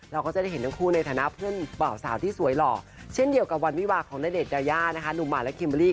เราก็จะได้เห็นทั้งคู่ในฐานะเพื่อนเบาสาวที่สวยหล่อเช่นเดียวกับวันวิวากของนาเดชน์ยาย่านะคะ